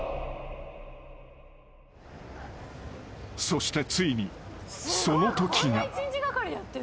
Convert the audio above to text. ［そしてついにそのときが］